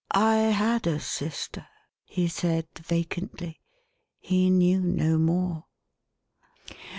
" I had a sister," he said vacantly. He knew no moiv.